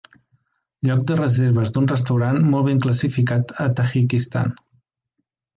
lloc de reserves d'un restaurant molt ben classificat a Tajikistan